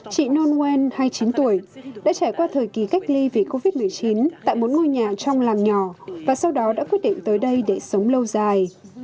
chị non ngoan hai mươi chín tuổi đã trải qua thời kỳ cách ly vì covid một mươi chín tại một ngôi nhà trong làng nhỏ và sau đó đã quyết định tới đây để sống lâu dài